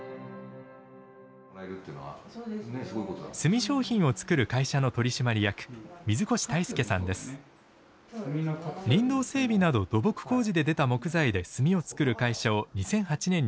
炭商品を作る会社の取締役林道整備など土木工事で出た木材で炭を作る会社を２００８年に引き継ぎました。